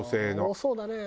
多そうだね。